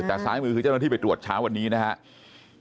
แต่ซ้ายมือคือเจ้าหน้าที่ไปตรวจเช้าวันนี้นะครับ